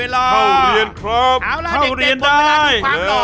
เวลาเข้าเรียนครับเข้าเรียนได้